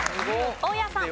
大家さん。